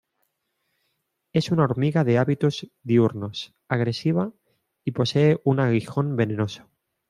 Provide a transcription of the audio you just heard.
Es una hormiga de hábitos diurnos, agresiva, y posee un aguijón venenoso.